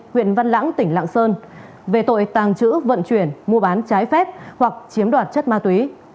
huyện văn lãng tỉnh lạng sơn về tội tàng trữ vận chuyển mua bán trái phép hoặc chiếm đoạt chất ma túy